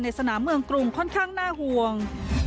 สนามเมืองกรุงค่อนข้างน่าห่วง